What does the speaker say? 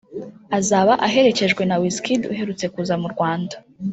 azaba aherekejwe na Wizkid uherutse kuza mu Rwanda